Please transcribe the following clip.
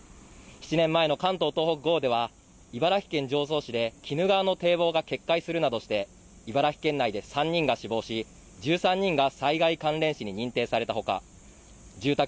７年前の関東・東北豪雨では茨城県常総市で鬼怒川の堤防が決壊するなどして茨城県内で３人が死亡し１３人が災害関連死に認定されたほか住宅